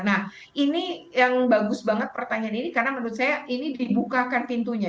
nah ini yang bagus banget pertanyaan ini karena menurut saya ini dibukakan pintunya